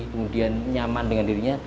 kemudian nyaman dengan dirinya